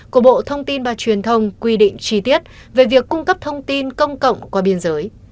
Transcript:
của bộ thông tin và truyền thông quy định chi tiết về việc cung cấp thông tin công cộng qua biên giới